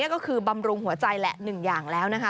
ก็คือบำรุงหัวใจแหละ๑อย่างแล้วนะคะ